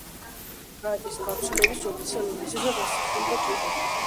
რაიტის გარდაცვალების ოფიციალურ მიზეზად დასახელდა კიბო.